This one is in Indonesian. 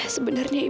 saya di sini ini